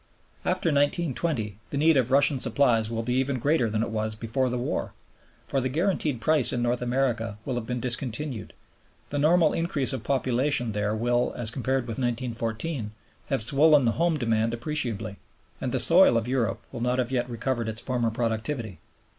After 1920 the need of Russian supplies will be even greater than it was before the war; for the guaranteed price in North America will have been discontinued, the normal increase of population there will, as compared with 1914, have swollen the home demand appreciably, and the soil of Europe will not yet have recovered its former productivity.